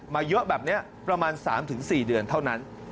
เยอะแบบนี้ประมาณ๓๔เดือนเท่านั้น